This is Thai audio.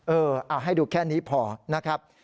ให้ดูแค่นี้พอนะครับ